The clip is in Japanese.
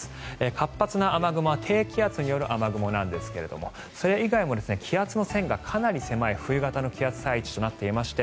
活発な雨雲は低気圧による雨雲なんですがそれ以外も気圧の線がかなり狭い冬型の気圧配置となっていまして